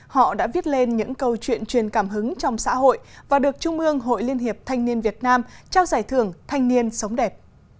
họ đã viết lên những câu chuyện truyền cảm hứng trong xã hội và được trung ương hội liên hiệp thanh niên việt nam trao giải thưởng thanh niên sống đẹp